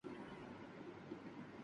تم ادھر سے مت جانا